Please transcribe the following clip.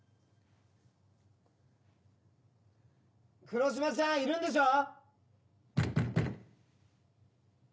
・黒島ちゃんいるんでしょ？